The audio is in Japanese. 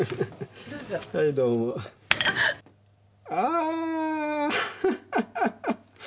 あ！ハハハハ。